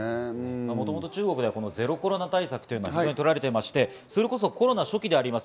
もともと中国ではゼロコロナ対策は非常に取られていまして、コロナ初期であります